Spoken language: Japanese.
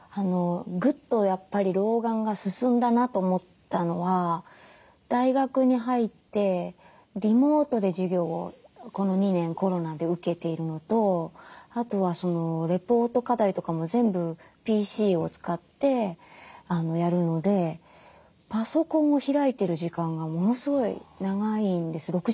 ぐっとやっぱり老眼が進んだなと思ったのは大学に入ってリモートで授業をこの２年コロナで受けているのとあとはレポート課題とかも全部ＰＣを使ってやるのでパソコンを開いてる時間がものすごい長いんです。